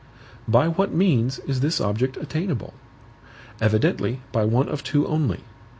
By what means is this object attainable? Evidently by one of two only.